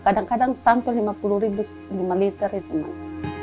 kadang kadang sampai lima puluh ribu lima liter itu mas